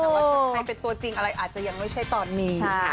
แต่ว่าถ้าใครเป็นตัวจริงอะไรอาจจะยังไม่ใช่ตอนนี้